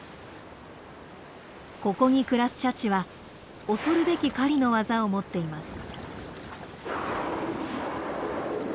ここに暮らすシャチは恐るべき狩りの技を持っています。